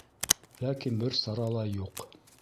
Ләкин бер сара ла юҡ.